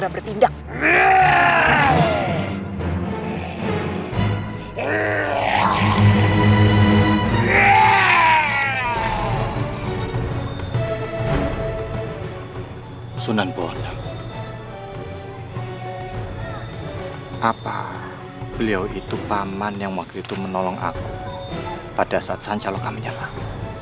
apa beliau itu paman yang waktu itu menolong aku pada saat sancaloka menyerang